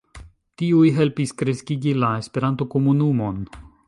Tiuj helpis kreskigi la Esperanto-komunumon.